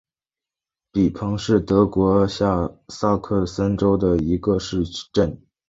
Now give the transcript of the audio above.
比彭是德国下萨克森州的一个市镇。